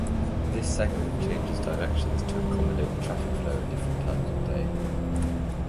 This segment changes directions to accommodate the traffic flow at different times of day.